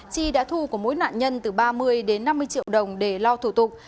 chi đã thu của mỗi nạn nhân từ ba mươi đến năm mươi triệu đồng để lo thủ tục